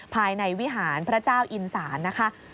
ภายในวิหารพระเจ้าอินศาลนะคะ